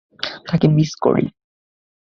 তাকে মিস করি।